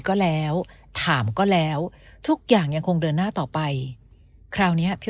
ก็แล้วถามก็แล้วทุกอย่างยังคงเดินหน้าต่อไปคราวเนี้ยพี่